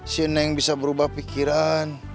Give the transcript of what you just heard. si neng bisa berubah pikiran